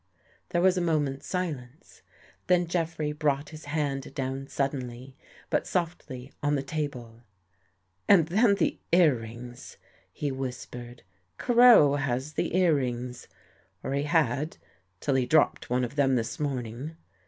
There was a moment's silence. Then Jeffrey brought his hand down suddenly, but softly, on the table. " And then the earrings," he whispered. " Crow has the earrings — or he had till he dropped one of them this morning.